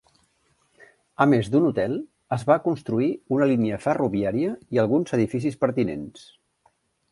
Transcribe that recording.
A més d'un hotel, es va construir una línia ferroviària i alguns edificis pertinents.